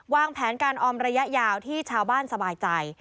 วางแผนการออมระยะยาวที่ชาวบ้านสบายใจ